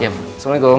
iya ma assalamualaikum